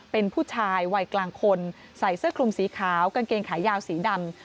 เป็นผู้ชายวัยกลางคนใส่เสื้อคลุมสีขาวกางเกงขายาวสีดำ